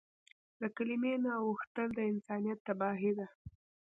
له کلیمې نه اوښتل د انسانیت تباهي ده.